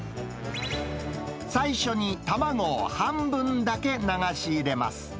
最初に卵を半分だけ流し入れます。